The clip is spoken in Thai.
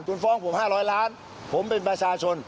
คุณฟ้องผม๕๐๐ล้านผมเป็นประชาชน